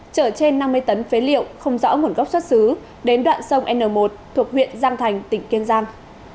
chở trên năm mươi tấn phế liệu không rõ nguồn gốc xuất xứ đến đoạn sông n một thuộc huyện giang thành tỉnh kiên giang